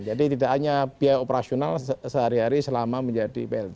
jadi tidak hanya biaya operasional sehari hari selama menjadi plt